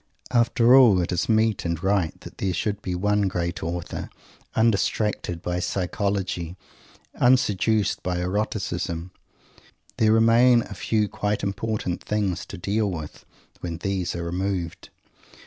After all, it is meet and right that there should be one great author, undistracted by psychology unseduced by eroticism. There remain a few quite important things to deal with, when these are removed!